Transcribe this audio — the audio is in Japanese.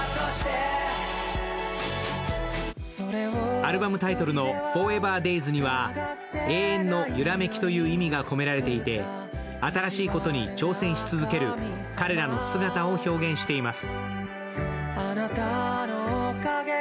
アルバムタイトルの「ＦＯＲＥＶＥＲＤＡＺＥ」には永遠の揺らめきという意味が込められていて新しいことに挑戦し続ける彼らの姿を表現しています。